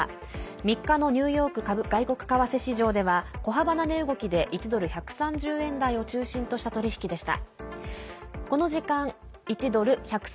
３日のニューヨーク外国為替市場では小幅な値動きで１ドル＝１３０円台を中心とした取引でした。